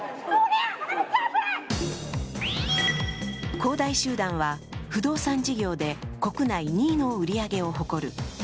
恒大集団は、不動産事業で国内２位の売り上げを誇る。